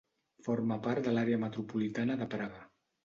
Forma part de l'àrea metropolitana de Praga.